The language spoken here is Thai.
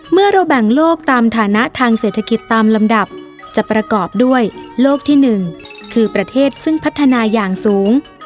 เมื่อเราแบ่งโลกตามฐานะทางเศรษฐกิจตามลำดับจะประกอบด้วยโลกที่๑คือประเทศซึ่งพัฒนาอย่างสูง